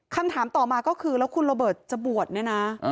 คำถามต่อมาก็คือแล้วคุณระเบิดจะบวชนะนะ